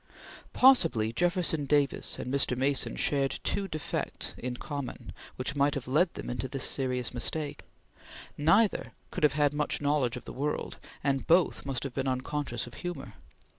Possibly Jefferson Davis and Mr. Mason shared two defects in common which might have led them into this serious mistake. Neither could have had much knowledge of the world, and both must have been unconscious of humor.